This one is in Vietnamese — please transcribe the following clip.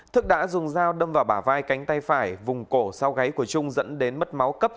thức đã dùng dao đâm vào bả vai cánh tay phải vùng cổ sau gáy của trung dẫn đến mất máu cấp